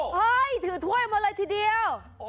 เฮ้ยถือถ้วยมาเลยทีเดียว